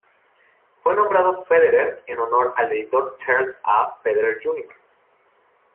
Fue nombrado Federer en honor al editor Charles A. Federer, Jr.